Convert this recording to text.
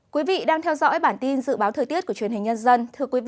quý vị đang theo dõi bản tin dự báo thời tiết của truyền hình nhân dân